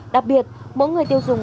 đặc biệt mỗi người tiêu dùng